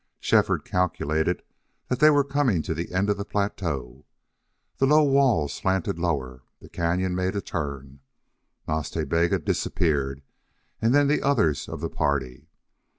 Shefford calculated that they were coming to the end of the plateau. The low walls slanted lower; the cañon made a turn; Nas Ta Bega disappeared; and then the others of the party.